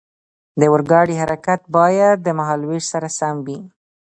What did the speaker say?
د اورګاډي حرکت باید د مهال ویش سره سم وي.